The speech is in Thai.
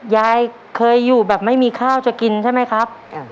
ยายเคยอยู่แบบไม่มีข้าวจะกินใช่ไหมครับ